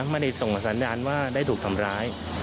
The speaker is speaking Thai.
ไม่ได้ส่งสัญญาณว่าได้ถูกทำร้าย